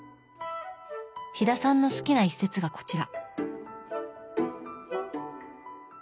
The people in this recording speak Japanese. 飛田さんの好きな一節がこちら。